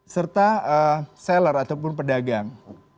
serta seller ataupun pedagang